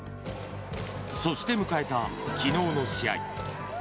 そして迎えた昨日の試合。